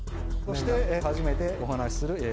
そして初めてお話しする。